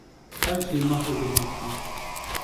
Her şeyi mahvedeceksin.